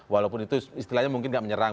walaupun itu istilahnya mungkin gak menyerang